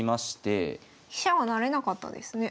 飛車は成れなかったですね。